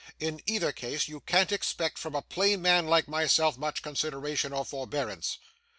In either case, you can't expect from a plain man like myself much consideration or forbearance.